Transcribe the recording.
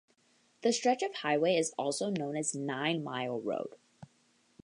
This stretch of highway is also known as Nine Mile Road.